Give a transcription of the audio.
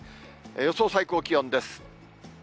予想最高気温です。